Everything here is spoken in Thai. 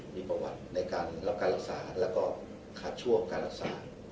มีประวัติในการรับการรักษาแล้วก็ขาดช่วงการรักษา